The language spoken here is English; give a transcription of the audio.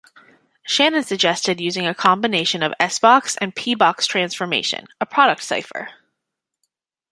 Shannon suggested using a combination of S-box and P-box transformation-a product cipher.